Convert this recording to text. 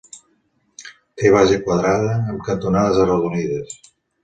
Té base quadrada amb cantonades arrodonides.